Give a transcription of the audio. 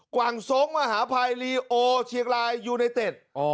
กว่างทรงมหาภัยลีโอเชียงรายยูไนเต็ด